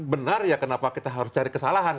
benar ya kenapa kita harus cari kesalahan